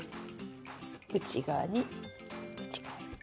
内側に内側に。